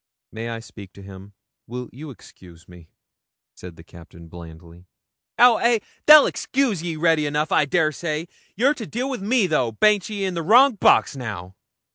'May I speak to him? Will you excuse me?' said the Captain blandly. 'Ow ay, they'll excuse ye ready enough, I dessay; you're to deal wi' me though. Baint ye in the wrong box now?'